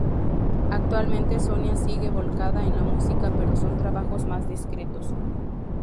Actualmente Sonia sigue volcada en la música pero con trabajos más discretos.